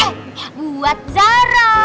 eh buat zara